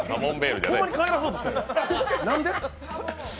ホンマに帰らそうとして何で？